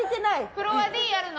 フロアＤやるの？